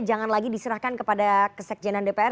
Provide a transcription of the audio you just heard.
jangan lagi diserahkan kepada sekjen dan dpr